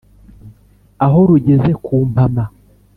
Aho rugeze ku mpama